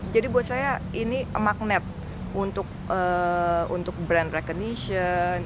jadi buat saya ini magnet untuk brand recognition